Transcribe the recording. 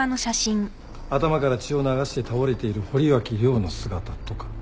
頭から血を流して倒れている堀脇涼の姿とか。